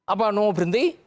apa mau berhenti